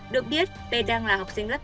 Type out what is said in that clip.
được biết mb đang là học sinh lớp tám